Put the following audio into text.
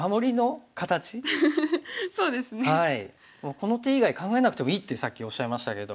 「この手以外考えなくてもいい」ってさっきおっしゃいましたけど。